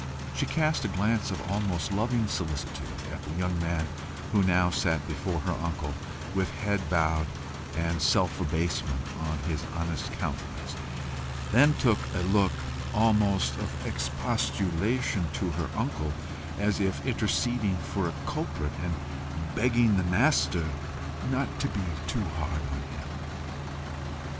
She cast a glance of almost loving solicitude at the young man who now sat before her uncle with head bowed, and self abasement on his honest countenance, then a look almost of expostulation at her uncle, as if interceding for a culprit, and begging the master not to be too hard upon him.